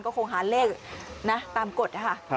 ก็คงหาเลขตามกฎ